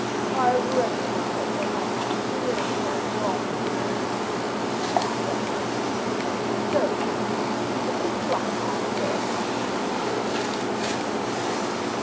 "I recognize your majesty's great generosity of disposition in that act." "So, Saint Aignan, we will cease to occupy ourselves with these matters any longer," said Louis.